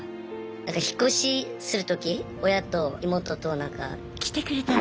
引っ越しする時親と妹となんか。来てくれたの？